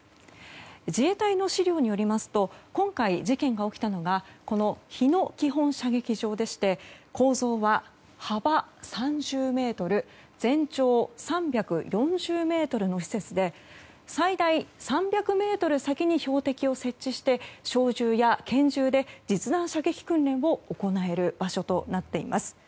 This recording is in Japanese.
自衛隊の資料によりますと今回、事件が起きたのがこの日野基本射撃場でして構造は幅３０ｍ全長３４０ｍの施設で最大３００ｍ先に標的を設置して小銃や拳銃で実弾射撃訓練を行える場所となっています。